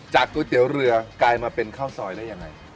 ก๋วยเตี๋ยวเรือกลายมาเป็นข้าวซอยได้ยังไง